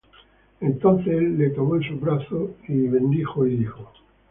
Entonces él le tomó en sus brazos, y bendijo á Dios, y dijo: